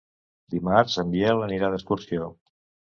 Dimarts en Biel anirà d'excursió.